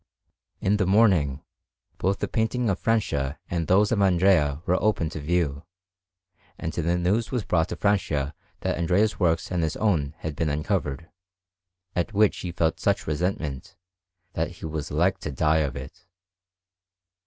In the morning, both the painting of Francia and those of Andrea were open to view, and the news was brought to Francia that Andrea's works and his own had been uncovered; at which he felt such resentment, that he was like to die of it.